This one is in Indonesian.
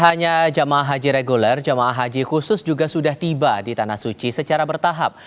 tak hanya jamaah haji reguler jemaah haji khusus juga sudah tiba di tanah suci secara bertahap